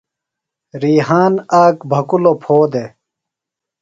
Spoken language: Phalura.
ریحان آک بھکُوۡلوۡ پھو دےۡ۔